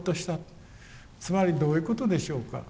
つまりどういうことでしょうか。